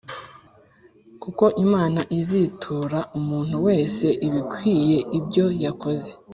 kuko Imana izitura umuntu wese ibikwiriye ibyo yakoze.